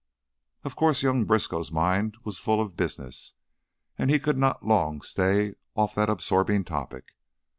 Of course young Briskow's mind was full of business, and he could not long stay off that absorbing topic.